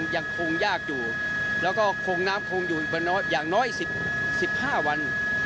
ยังคงยากอยู่แล้วก็คงน้ำคงอยู่อย่างน้อย๑๕วัน